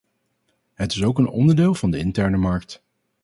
Het is ook een onderdeel van de interne markt.